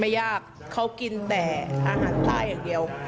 ยากเขากินแต่อาหารใต้อย่างเดียว